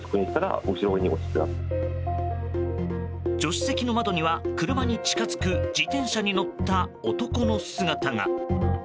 助手席の窓には、車に近づく自転車に乗った男の姿が。